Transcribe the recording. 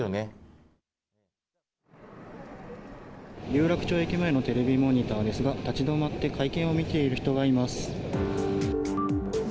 有楽町駅前のテレビモニターですが、立ち止まって会見を見ている人がいます。